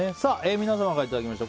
皆さんからいただきました